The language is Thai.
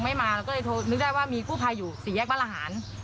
เราก็เลยนึกได้ว่ามีผู้พาอยู่สี่แยกบ้านอาหาร